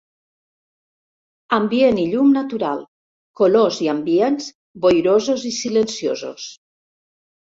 Ambient i llum natural ; colors i ambients boirosos i silenciosos.